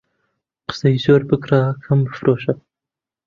قسە زۆر بکڕە، کەم بفرۆشە.